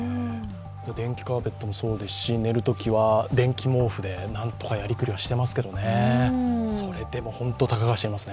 電気カーペットもそうですし寝るときは電気毛布で何とかやり繰りはしていますけどそれでもホント、たかが知れますね